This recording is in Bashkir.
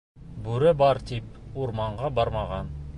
Бүре бар, тип, урманға бармаған.